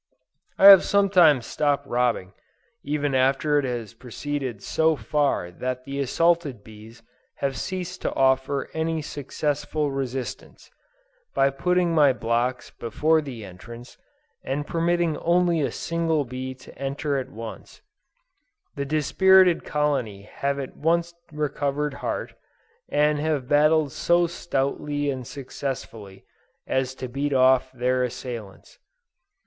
I have sometimes stopped robbing, even after it had proceeded so far that the assaulted bees had ceased to offer any successful resistance, by putting my blocks before the entrance, and permitting only a single bee to enter at once: the dispirited colony have at once recovered heart, and have battled so stoutly and successfully, as to beat off their assailants.